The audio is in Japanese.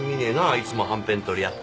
いつもはんぺん取り合った。